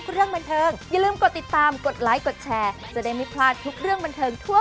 ก็เป็นเอกเรียกกันเอาเองเนอะ